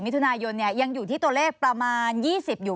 มิทุนายยนต์เนี้ยยังอยู่ที่ตัวเลขประมาณยี่สิบอยู่